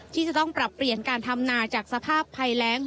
ที่จะต้องปรับเปลี่ยนการทำนาจากสภาพภัยแรง